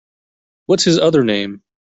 What’s his other name?